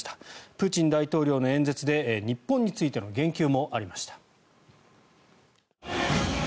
プーチン大統領の演説で日本についての言及もありました。